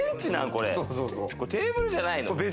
テーブルじゃないの？